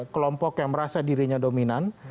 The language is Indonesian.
kelompok yang merasa dirinya dominan